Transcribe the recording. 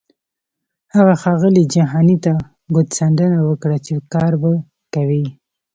هغه ښاغلي جهاني ته کوتڅنډنه وکړه چې کار به کوي.